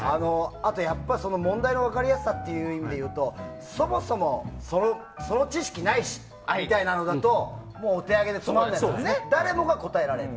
あとやっぱり問題の分かりやすさという意味でいうとそもそも、その知識ないしみたいなのだともうお手上げでつまんないから誰もが答えられると。